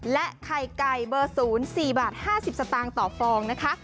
และไข่ไก่เบอร์๐๔บาท๕๐สตางค์ต่อฟองนะคะ